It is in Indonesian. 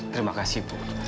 terima kasih ibu